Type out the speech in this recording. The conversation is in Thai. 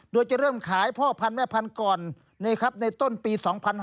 โดยจะเริ่มขายพ่อพันธุแม่พันธุ์ก่อนในต้นปี๒๕๕๙